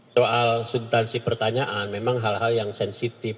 soal substansi pertanyaan memang hal hal yang sensitif